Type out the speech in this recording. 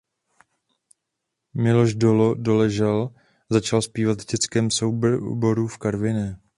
Miloš Dodo Doležal začal zpívat v dětském sboru v Karviné.